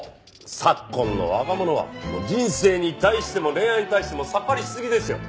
昨今の若者は人生に対しても恋愛に対してもさっぱりしすぎですよ。